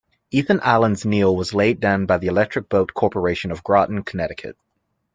"Ethan Allen"s keel was laid down by the Electric Boat Corporation of Groton, Connecticut.